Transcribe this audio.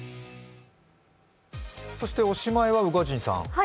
そして、おしまいは宇賀神さん。